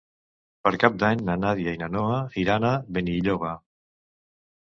Per Cap d'Any na Nàdia i na Noa iran a Benilloba.